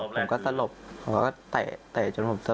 ผมก็สลบเขาก็เตะจนผมสลบไป